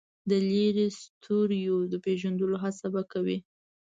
د لرې ستوریو د پېژندلو هڅه به کوي.